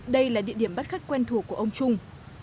đây là địa điểm bắt khách quen thuộc của ông trung